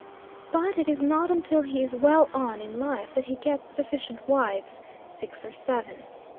But it is not until he is well on in life that he gets sufficient wives, six or seven.